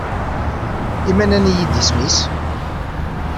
I ma nnan-iyi-d Isem-is?